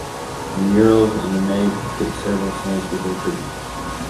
The murals in the nave depict several saints with their attributes.